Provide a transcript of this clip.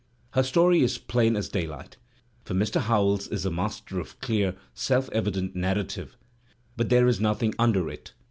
Her story is plain as daylight, for Mr. Howells is a master of clear, self evident T^narrative, but there is nothing under it.